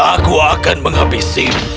aku akan menghabisimu